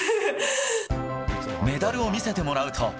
メダルを見せてもらうと。